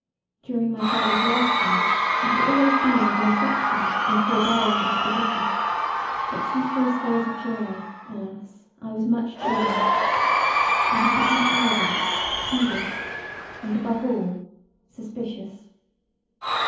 During my father's life time I had always been of an affectionate and forbearing disposition, but since those days of joy alas! I was much changed. I had become arrogant, peevish, and above all suspicious.